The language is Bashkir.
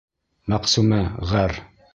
Мәҡсүмә ғәр.